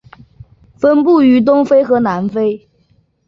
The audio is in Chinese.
分布于东非和南非。